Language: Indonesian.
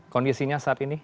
kondisinya saat ini